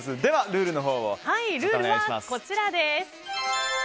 ルールはこちらです。